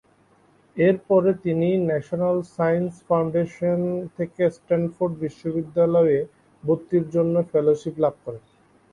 এরপরে তিনি National Science Foundation থেকে স্ট্যানফোর্ড বিশ্ববিদ্যালয়-এ ভর্তির জন্য ফেলোশিপ লাভ করেন।